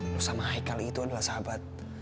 lo sama haik kali itu adalah sahabat